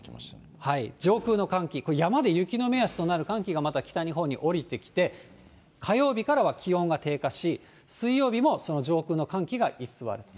上空の寒気、山で雪の目安になる、寒気がまた北日本に下りてきて、火曜日からは気温が低下し、水曜日もその上空の寒気が居座る。